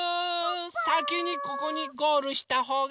さきにここにゴールしたほうがかちです！